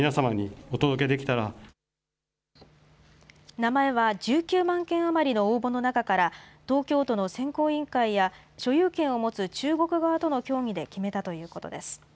名前は１９万件余りの応募の中から、東京都の選考委員会や、所有権を持つ中国側との協議で決めたということです。